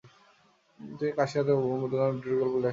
তিনি 'কাশীনাথ' ও 'ব্রহ্মদৈত্য' নামে দুটি গল্প লেখেন।